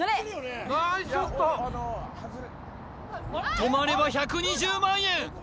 止まれば１２０万円